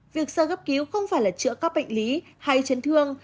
việc sơ cấp cứu không phải là chữa các bệnh lý hay chấn thương